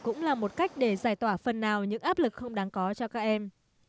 cũng là một cách để giải tỏa phần nào những áp lực không đáng có cho các em